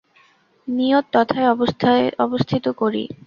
নিয়ত তথায় অবস্থিত করি।